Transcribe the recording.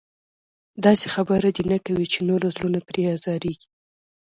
داسې خبره دې نه کوي چې نورو زړونه پرې ازارېږي.